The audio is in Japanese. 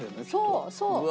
そうそう。